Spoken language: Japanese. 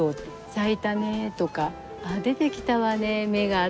「咲いたね」とか「あっ出てきたわね芽が」っていう。